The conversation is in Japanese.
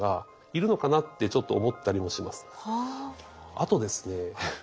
あとですね